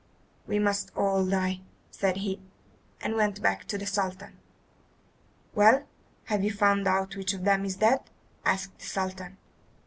"We must all die," said he, and went back to the Sultan. "Well, have you found out which of them is dead?" asked the Sultan.